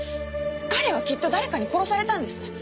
彼はきっと誰かに殺されたんです！